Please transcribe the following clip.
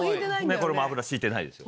これも油引いてないですよ。